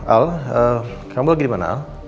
al kamu lagi dimana al